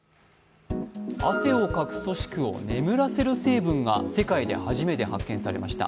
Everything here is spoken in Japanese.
汗をかく組織を眠らせる成分が世界で初めて発見されました。